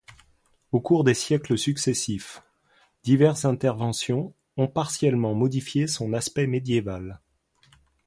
Au cours des siècles successifs, diverses interventions ont partiellement modifié son aspect médiéval.